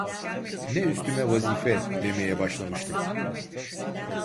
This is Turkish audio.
Ne üstüme vazife demeye başlamıştım.